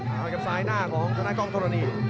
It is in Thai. ไปกับสายหน้าของถนอกรโก๊งทรณี